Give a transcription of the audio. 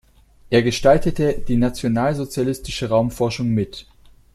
Er gestaltete die nationalsozialistische Raumforschung mit.